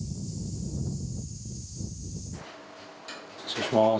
失礼します。